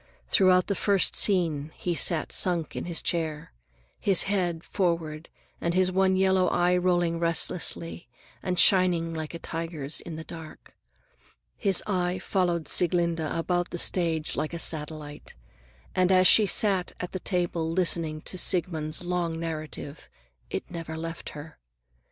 Throughout the first scene he sat sunk in his chair, his head forward and his one yellow eye rolling restlessly and shining like a tiger's in the dark. His eye followed Sieglinde about the stage like a satellite, and as she sat at the table listening to Siegmund's long narrative, it never left her.